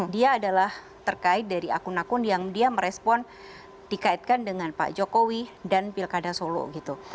dia adalah terkait dari akun akun yang dia merespon dikaitkan dengan pak jokowi dan pilkada solo gitu